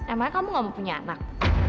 emangnya kamu gak mau punya anak